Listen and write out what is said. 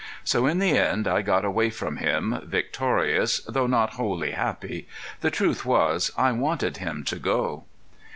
So in the end I got away from him, victorious, though not wholly happy. The truth was I wanted him to go.